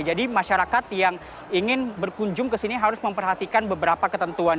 jadi masyarakat yang ingin berkunjung ke sini harus memperhatikan beberapa ketentuan